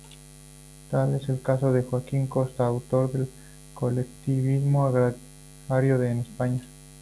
Tal es el caso de Joaquín Costa, autor de "Colectivismo agrario en España".